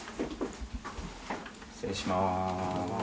失礼します。